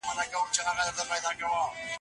ستړیا غوسه زیاتوي.